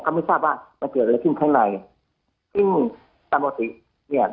ไม่ทราบว่ามันเกิดอะไรขึ้นข้างในซึ่งตามปกติเนี่ย